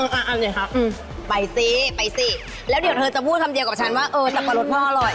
เอาหน่อยครับไปสิไปสิแล้วเดี๋ยวเธอจะพูดคำเดียวกับฉันว่าเออสับปะรดพ่ออร่อย